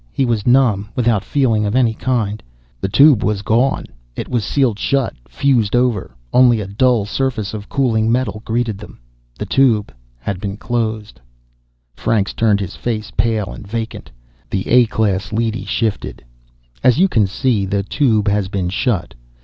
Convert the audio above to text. He was numb, without feeling of any kind. The Tube was gone. It was sealed shut, fused over. Only a dull surface of cooling metal greeted them. The Tube had been closed. Franks turned, his face pale and vacant. The A class leady shifted. "As you can see, the Tube has been shut.